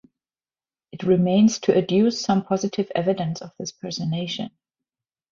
It remains to adduce some positive evidence of this personation.